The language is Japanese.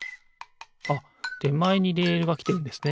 あってまえにレールがきてるんですね。